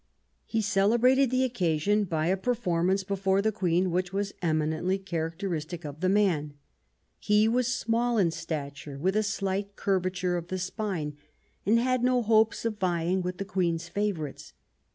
He celebrated the occasion by a performance before the Queen, which was eminently characteristic of the man. He was sniall in stature, with a slight curvature of the spine, and had no hopes of vieing with the Queen's favourites.